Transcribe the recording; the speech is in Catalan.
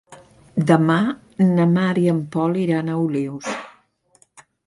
Demà na Mar i en Pol iran a Olius.